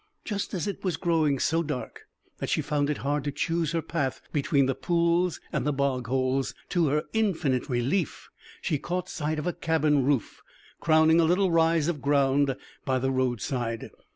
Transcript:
Just as it was growing so dark that she found it hard to choose her path between the pools and the bog holes, to her infinite relief she caught sight of a cabin roof crowning a little rise of ground by the roadside.